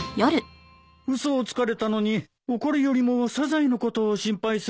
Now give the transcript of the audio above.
嘘をつかれたのに怒るよりもサザエのことを心配するとはねえ。